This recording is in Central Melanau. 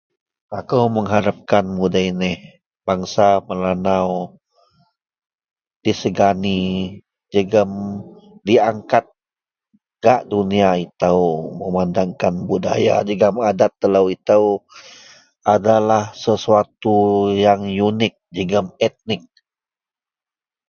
Akou mengharapkan mudei neh bangsa Melanau disegani jegem diangkat gak dunia ito memandangkan budaya jegem adat telo ito adalah sesuatu yang unik jegem etnik.